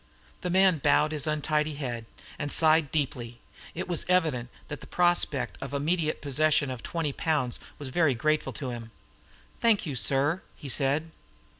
The man bowed his untidy head, and sighed deeply. It was evident that the prospect of immediate possession of twenty pounds was very grateful to him. "Thank you, sir," he said.